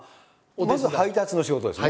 まず配達の仕事ですね。